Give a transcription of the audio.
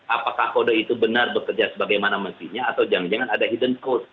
apakah kode itu benar bekerja sebagaimana mestinya atau jangan jangan ada hidden cost